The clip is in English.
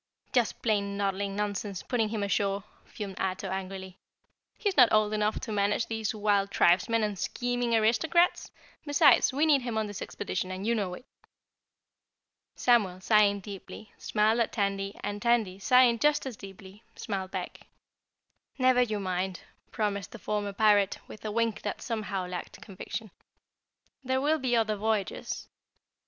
"Just plain noddling nonsense, putting him ashore," fumed Ato angrily. "He's not old enough to manage these wild tribesmen and scheming aristocrats. Besides, we need him on this expedition, and you know it." Samuel, sighing deeply, smiled at Tandy and Tandy, sighing just as deeply, smiled back. "Never you mind," promised the former Pirate with a wink that somehow lacked conviction, "there'll be other voyages!"